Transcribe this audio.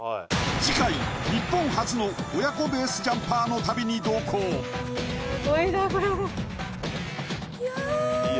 次回日本初の親子ベースジャンパーの旅に同行いやいや